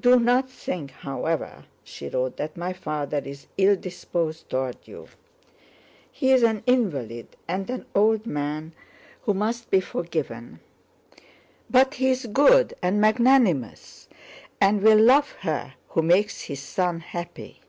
"Do not think, however," she wrote, "that my father is ill disposed toward you. He is an invalid and an old man who must be forgiven; but he is good and magnanimous and will love her who makes his son happy."